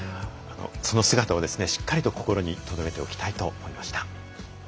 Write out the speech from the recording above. その姿をしっかりと心に留めておきたいと思いました。